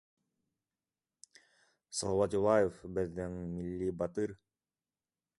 Салауат Юлаев беҙҙең милли батыр